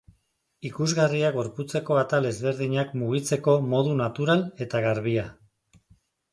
Ikusgarria gorputzeko atal ezberdinak mugitzeko modu natural eta garbia.